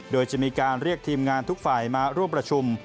โดยจะมีการเรียกทีมงานทุกฝ่ายมาร่วมประชุม